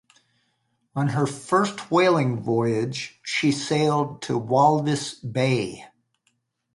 On her first whaling voyage she sailed to Walvis Bay.